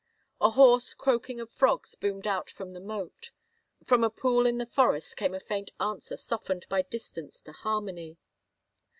A hoarse croaking of frogs boomed out from the moat ; from a pool in the forest came a faint answer softened by distance to harmony.